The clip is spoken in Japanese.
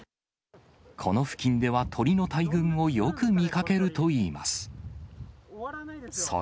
この付近では、鳥の大群をよく見かけるといいます。